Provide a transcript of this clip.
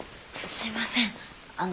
すいませんあの。